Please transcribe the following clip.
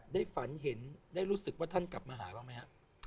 ฝันเห็นได้รู้สึกว่าท่านกลับมาหาบ้างไหมฮะ